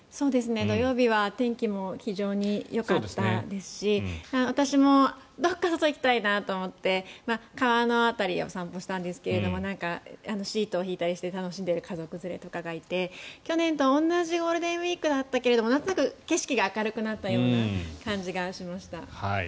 土曜日は天気も非常によかったですし私もどこか行きたいなと思って川の辺りを散歩したんですけどシートを敷いたりして楽しんでいる家族連れがいたりとかして去年と同じゴールデンウィークだったけどなんとなく景色が明るくなったような感じがしました。